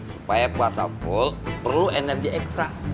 supaya puasa full perlu energi ekstra